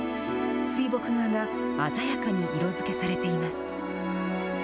水墨画が鮮やかに色づけされています。